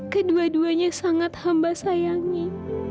kedua duanya sangat hamba sayangi